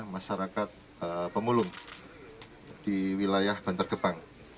masyarakat pemulung di wilayah bantar gebang